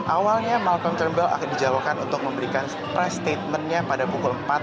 awalnya malcolm turnbull akan dijawabkan untuk memberikan press statementnya pada pukul empat